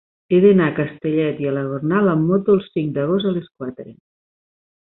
He d'anar a Castellet i la Gornal amb moto el cinc d'agost a les quatre.